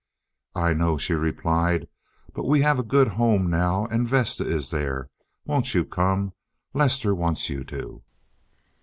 "I know," she replied, "but we have a good home now and Vesta is there. Won't you come? Lester wants you to."